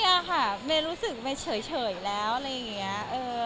เนี่ยค่ะเมย์รู้สึกเมเฉยแล้วอะไรอย่างนี้